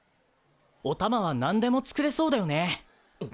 ・おたまは何でも作れそうだよね。